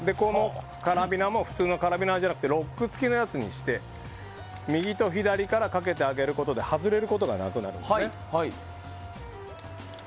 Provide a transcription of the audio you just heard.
カラビナも普通のカラビナじゃなくてロック付きのやつにして右と左から、かけてあげることで外れることがなくなるんですね。